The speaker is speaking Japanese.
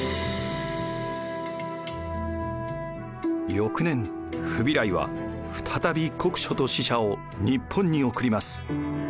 翌年フビライは再び国書と使者を日本に送ります。